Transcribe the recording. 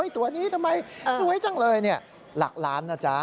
ตัวนี้ทำไมสวยจังเลยหลักล้านนะจ๊ะ